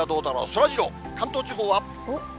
そらジロー、関東地方は？